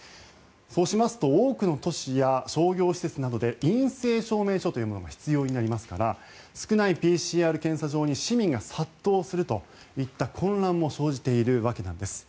そうしますと多くの都市や商業施設などで陰性証明書というものが必要になりますから少ないＰＣＲ検査場に市民が殺到するといった混乱も生じているわけなんです。